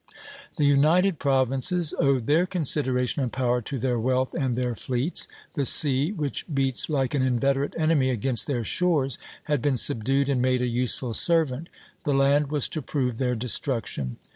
The United Provinces owed their consideration and power to their wealth and their fleets. The sea, which beats like an inveterate enemy against their shores, had been subdued and made a useful servant; the land was to prove their destruction.